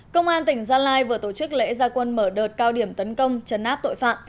công an tỉnh gia lai vừa tổ chức lễ gia quân mở đợt cao điểm tấn công chấn áp tội phạm